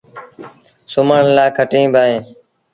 سُومڻ لآ کٽيٚن با اوهيݩ۔